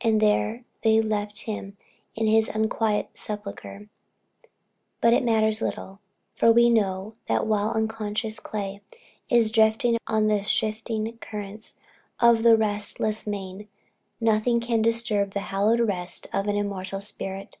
And there they left him in his unquiet sepulchre; but it matters little, for we know that while the unconscious clay is "drifting on the shifting currents of the restless main," nothing can disturb the hallowed rest of the immortal spirit.